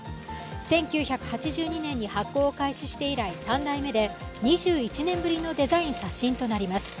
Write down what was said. １９８２年に発行を開始して以来、３代目で２１年ぶりのデザイン刷新となります。